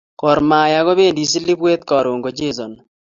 Gor mahi kopendi silibwet karon kochezani